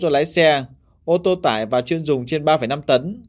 lái xe ô tô tải và chuyên dùng trên ba năm tấn